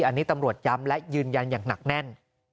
อันนี้ตำรวจย้ำและยืนยันอย่างหนักแน่น